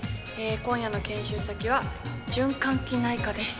今夜の研修先は、循環器内科です。